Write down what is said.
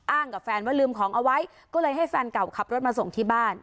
กับแฟนว่าลืมของเอาไว้ก็เลยให้แฟนเก่าขับรถมาส่งที่บ้าน